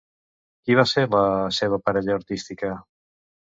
Qui va ser la seva parella artística?